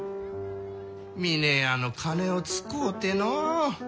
峰屋の金を使うてのう。